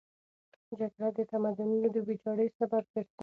جګړه د تمدنونو د ویجاړۍ سبب ګرځي.